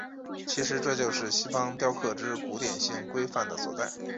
其实这就是西方雕刻之古典性规范的所在。